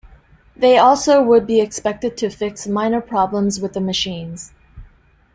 They also would be expected to fix minor problems with the machines.